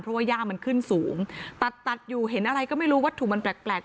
เพราะว่าย่ามันขึ้นสูงตัดตัดอยู่เห็นอะไรก็ไม่รู้วัตถุมันแปลก